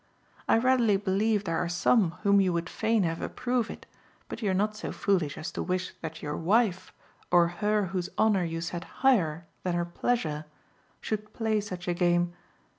I readily believe there are some whom you would fain have approve it, but you are not so foolish as to wish that your wife, or her whose honour you set higher than her pleasure,(1) should play such a game.